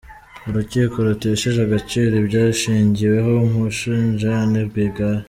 Urukiko rutesheje agaciro ibyashingiweho mu gushinja Anne Rwigara.